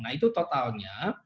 nah itu totalnya